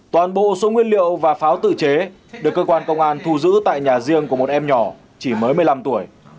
toàn bộ số nguyên liệu và pháo tự chế được cơ quan công an thu giữ tại nhà riêng của một em nhỏ chỉ mới một mươi năm tuổi